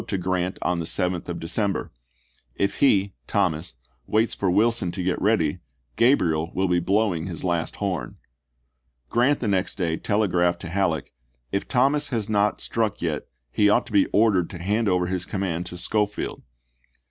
* to Grant on the 7th of December, "If he [Thomas] °beriand?" waits f or Wilson to get ready, Gabriel will be blow P° 253.'' ing his last horn." Grant the next day telegraphed to Halleck, "If Thomas has not struck yet he ought to be ordered to hand over his command to ibid. Schofield."